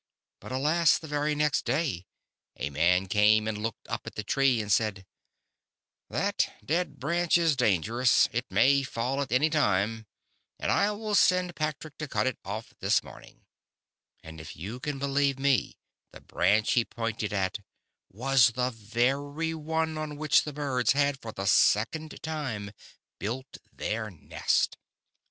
But alas, the very next day a man came and looking up at the Tree, said :" That dead branch is dangerous ; it may fall at any time and I will send Patrick to cut it off this morning," and if you can believe me, the branch he pointed at, was the very one on which the birds had for the second time built their nest.